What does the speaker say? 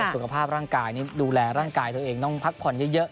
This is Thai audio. สุขภาพร่างกายนี่ดูแลร่างกายตัวเองต้องพักผ่อนเยอะ